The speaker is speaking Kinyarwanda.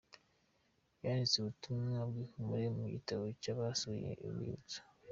Yanditse ubutumwa bw'ihumure mu gitabo cy'abasuye urwibutso .